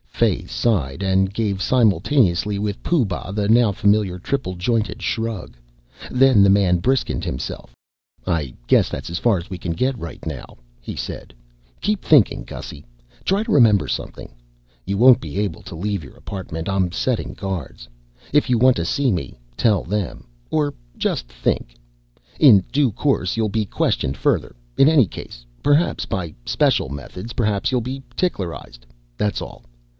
Fay sighed and gave simultaneously with Pooh Bah the now familiar triple jointed shrug. Then the man briskened himself. "I guess that's as far as we can get right now," he said. "Keep thinking, Gussy. Try to remember something. You won't be able to leave your apartment I'm setting guards. If you want to see me, tell them. Or just think In due course you'll be questioned further in any case. Perhaps by special methods. Perhaps you'll be ticklerized. That's all.